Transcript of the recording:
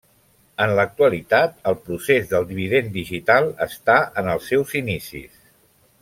En l'actualitat, el procés del Dividend Digital està en els seus inicis.